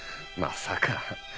まさか。